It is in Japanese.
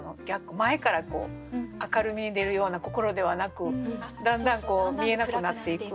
前から明るみに出るような心ではなくだんだん見えなくなっていく。